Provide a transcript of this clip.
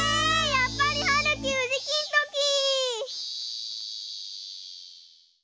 やっぱりはるきうじきんとき！